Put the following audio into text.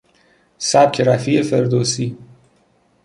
سبک رفیع فردوسی